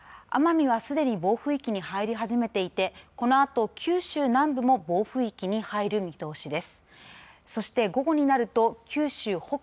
奄美はすでに暴風域に入り始めていてこのあと九州南部も暴風域に入る見通しです。